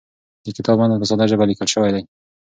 د کتاب متن په ساده ژبه لیکل سوی دی.